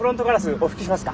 お拭きしますか？